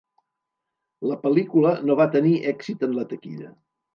La pel·lícula no va tenir èxit en la taquilla.